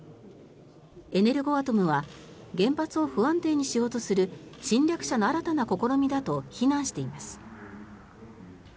エネルゴアトムは原発を不安定にしようとする侵略者の新たな試みだと非難しています。